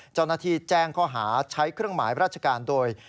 เจ้าหน้าที่แจ้งข้อหาใช้เครื่องหมายราชการโดย